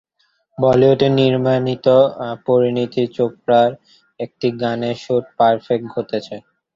বলিউডে নির্মিত পরিণীতা ছবির একটি গানের শ্যুটিং প্রিন্সেপ ঘাটে হয়েছে।